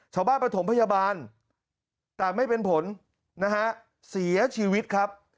ประถมพยาบาลแต่ไม่เป็นผลนะฮะเสียชีวิตครับ